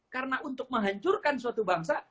karena untuk menghancurkan suatu bangsa